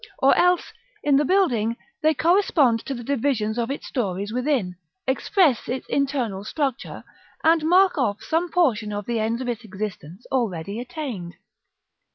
Or else, in the building, they correspond to the divisions of its stories within, express its internal structure, and mark off some portion of the ends of its existence already attained.